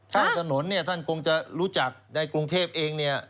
ถ้างานถนนท่านคงจะรู้จักในกรุงเทพฯเอง